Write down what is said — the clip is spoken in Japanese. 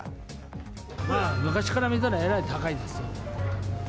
まあ、昔から見たら、えらい高いですよ。